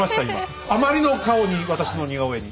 あまりの顔に私の似顔絵に。